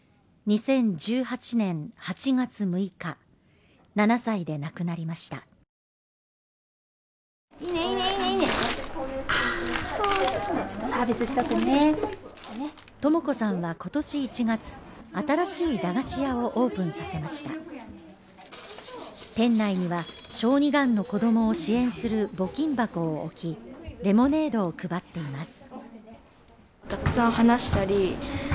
２０１８年８月６日７歳で亡くなりました友子さんは今年１月新しい駄菓子屋をオープンさせました店内には小児がんの子どもを支援する募金箱を置きレモネードを配っています